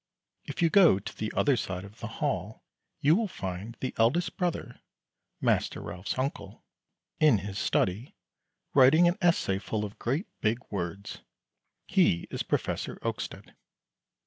If you go to the other side of the hall you will find the eldest brother (Master Ralph's uncle) in his study, writing an essay full of great big words. He is Professor Oakstead.